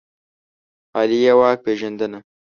عالیه واک پېژندنه